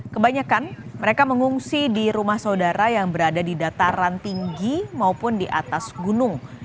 kebanyakan mereka mengungsi di rumah saudara yang berada di dataran tinggi maupun di atas gunung